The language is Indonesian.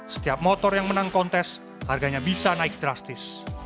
setiap motor yang menang kontes harganya bisa naik drastis